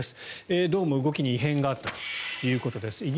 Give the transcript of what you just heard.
どうも動きに異変があったということです。